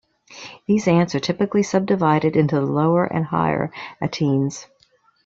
These ants are typically subdivided into the "lower" and "higher" attines.